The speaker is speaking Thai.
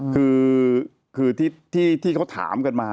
คือที่เขาถามกันมา